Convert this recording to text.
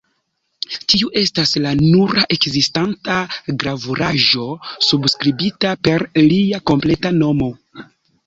Tiu estas la nura ekzistanta gravuraĵo subskribita per lia kompleta nomo.